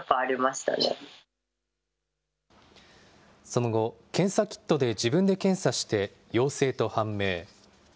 その後、検査キットで自分で検査して、陽性と判明。